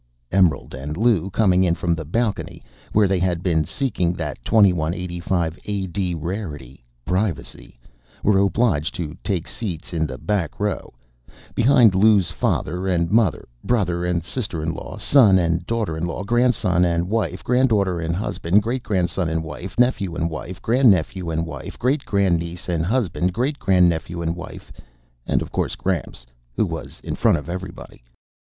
Emerald and Lou, coming in from the balcony, where they had been seeking that 2185 A.D. rarity privacy were obliged to take seats in the back row, behind Lou's father and mother, brother and sister in law, son and daughter in law, grandson and wife, granddaughter and husband, great grandson and wife, nephew and wife, grandnephew and wife, great grandniece and husband, great grandnephew and wife and, of course, Gramps, who was in front of everybody.